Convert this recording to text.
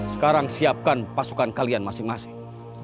sekarang siapkan pasukan kalian masing masing